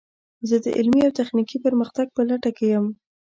زه د علمي او تخنیکي پرمختګ په لټه کې یم.